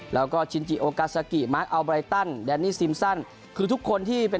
แล้วก็ชินจิโอกาซากิมาร์อัลไรตันแดนนี่ซิมซันคือทุกคนที่เป็น